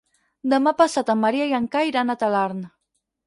Demà passat en Maria i en Cai iran a Talarn.